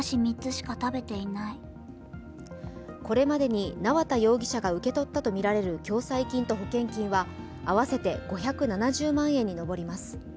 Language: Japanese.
これまでに縄田容疑者が受け取ったとみられる共済金と保険金は合わせて５７０万円に上ります。